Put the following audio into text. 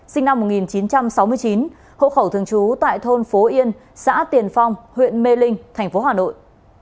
sinh năm một nghìn chín trăm sáu mươi chín hộ khẩu thường trú tại thôn phố yên xã tiền phong huyện mê linh thành phố hà nội